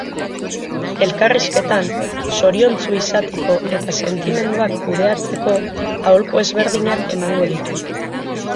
Elkarrizketan, zoriontsu izateko eta sentimenduak kudeatzeko aholku ezberdinak emango ditu.